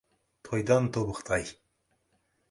Тойдан тобықтай.